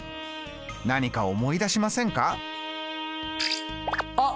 何か思い出しませんか？